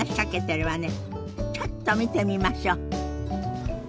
ちょっと見てみましょ。